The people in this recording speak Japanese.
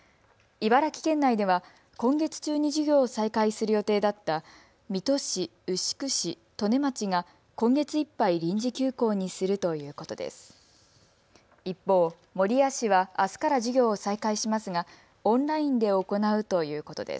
茨城県内では今月中に授業を再開する予定だった水戸市、牛久市、利根町が今月いっぱい臨時休校にするということです。